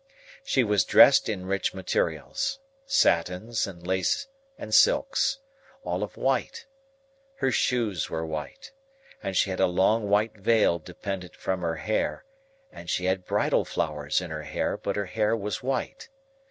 She was dressed in rich materials,—satins, and lace, and silks,—all of white. Her shoes were white. And she had a long white veil dependent from her hair, and she had bridal flowers in her hair, but her hair was white.